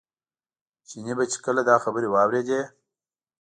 چیني به چې کله دا خبرې واورېدې.